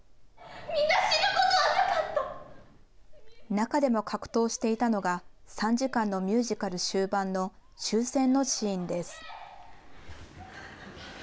中でも格闘していたのが、３時間のミュージカル終盤の終戦のシーンです。